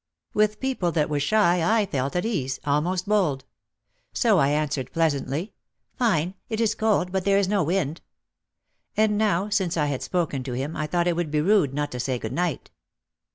With people that were shy I felt at ease, almost bold. So I answered pleasantly, "Fine! It is cold, but there is no wind." And now, since I had spoken to him I thought it would be rude not to say good night.